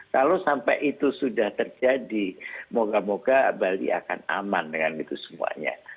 kalau sampai itu sudah terjadi moga moga bali akan aman dengan itu semuanya